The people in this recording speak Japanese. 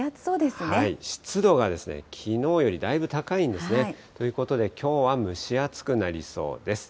湿度がきのうよりだいぶ高いんですね。ということで、きょうは蒸し暑くなりそうです。